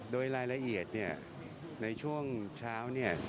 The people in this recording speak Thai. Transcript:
โดยรายละเอียดในช่วงเช้า